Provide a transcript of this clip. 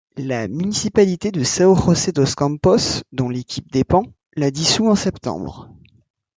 La municipalité de São José dos Campos, dont l'équipe dépend, la dissout en septembre.